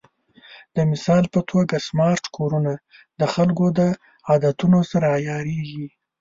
د مثال په توګه، سمارټ کورونه د خلکو د عادتونو سره عیارېږي.